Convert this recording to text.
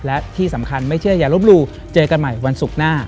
และที่สำคัญไม่เชื่ออย่าลบหลู่เจอกันใหม่วันศุกร์หน้า